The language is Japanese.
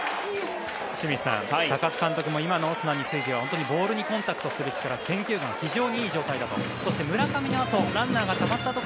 清水さん高津監督も今のオスナについては本当にボールにコンタクトする力選球眼非常にいい状態だと。